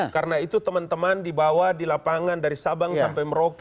karena itu teman teman dibawa di lapangan dari sabang sampai merauke